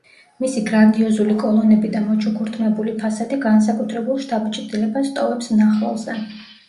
მისი გრანდიოზული კოლონები და მოჩუქურთმებული ფასადი განსაკუთრებულ შთაბეჭდილებას ტოვებს მნახველზე.